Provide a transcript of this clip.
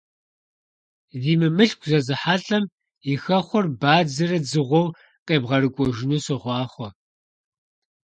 Зи мымылъку зэзыхьэлӀэм и хэхъуэр бадзэрэ дзыгъуэу къебгъэрыкӀуэжыну сохъуахъуэ!